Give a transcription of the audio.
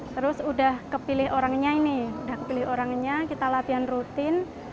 terus udah kepilih orangnya ini udah kepilih orangnya kita latihan rutin